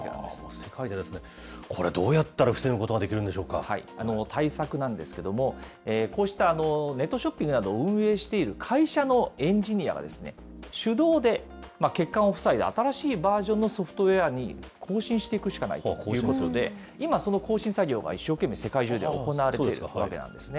世界でですね、これ、どうやったら防ぐことができるんでしょ対策なんですけども、こうしたネットショッピングなどを運営している会社のエンジニアが、主導で欠陥を防いだ新しいバージョンのソフトウエアに更新していくしかない、こういうことで、今、その更新作業が一生懸命世界中で行われているわけなんですね。